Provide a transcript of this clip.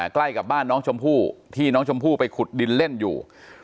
ใกล้กับบ้านน้องชมพู่ที่น้องชมพู่ไปขุดดินเล่นอยู่